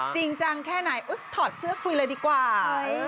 จริงจังแค่ไหนถอดเสื้อคุยเลยดีกว่า